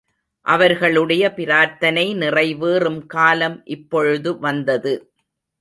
அவர்களுடைய பிரார்த்தனை நிறைவேறும் காலம் இப்பொழுது வந்தது.